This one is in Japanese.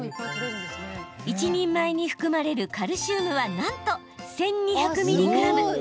１人前に含まれるカルシウムはなんと１２００ｍｇ。